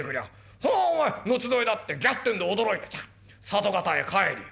そのお前後添えだってギャッてんで驚いてザッ里方へ帰るよ。